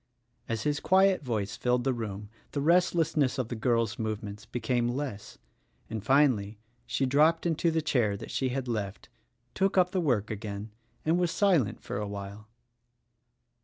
As his quiet voice filled the room the restlessness of the girl's movements became less, and finally she dropped into the chair that she had left, took up the work again, and was silent for a while.